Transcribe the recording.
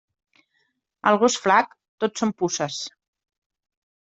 Al gos flac, tot són puces.